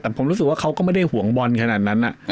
แต่ผมรู้สึกว่าเขาก็ไม่ได้ห่วงบอลขนาดนั้น